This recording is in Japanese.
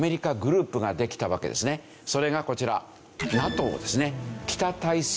それがこちら。